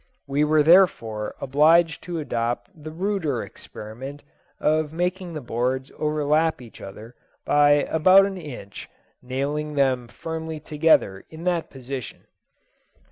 We were therefore obliged to adopt the ruder experiment of making the boards overlap each other by about an inch, nailing them firmly together in that position.